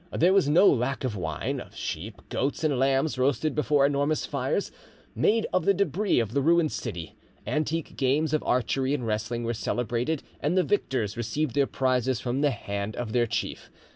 There was no lack of wine, of sheep, goats, and lambs roasted before enormous fires; made of the debris of the ruined city; antique games of archery and wrestling were celebrated, and the victors received their prizes from the hand of their chief.